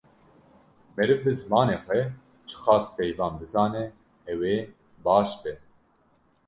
Meriv bi zimanê xwe çi qas peyvan bizane ew ê baş be.